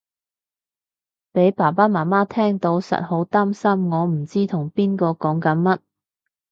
俾爸爸媽媽聽到實好擔心我唔知同邊個講緊乜